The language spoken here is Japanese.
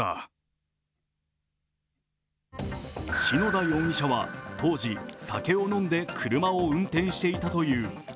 篠田容疑者は当時、酒を飲んで車を運転していたという。